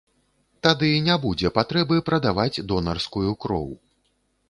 Тады не будзе патрэбы прадаваць донарскую кроў.